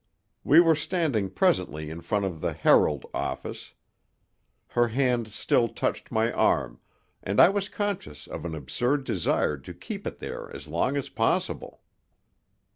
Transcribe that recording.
We were standing presently in front of the Herald office. Her hand still touched my arm, and I was conscious of an absurd desire to keep it there as long as possible.